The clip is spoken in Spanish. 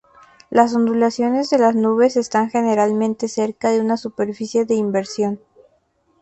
Las ondulaciones de las nubes están generalmente cerca de una superficie de inversión.